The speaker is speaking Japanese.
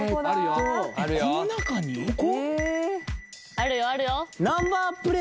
あるよあるよ